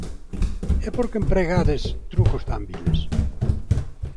E por que empregades trucos tan viles?